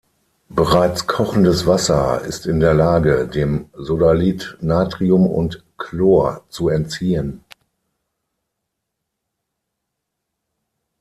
Bereits kochendes Wasser ist in der Lage, dem Sodalith Natrium und Chlor zu entziehen.